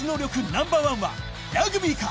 ナンバーワンはラグビーか？